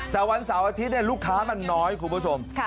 แต่วันเสาร์อาทิตย์ลูกค้ามันน้อยคุณผู้ชม